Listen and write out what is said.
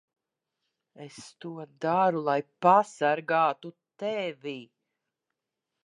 Es to daru, lai pasargātu tevi.